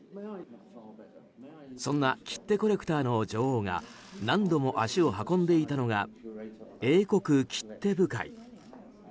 そんな切手コレクターの女王が何度も足を運んでいたのが英国切手部会。